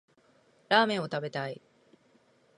ラーメンを食べたい